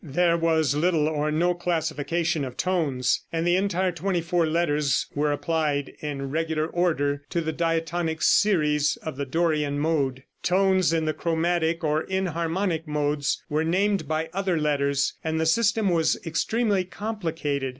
There was little or no classification of tones, and the entire twenty four letters were applied in regular order to the diatonic series of the Dorian mode. Tones in the chromatic or enharmonic modes were named by other letters, and the system was extremely complicated.